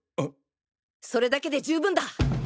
それだけで十分だ。